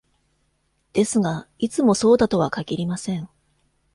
ですが、いつもそうだとは限りません。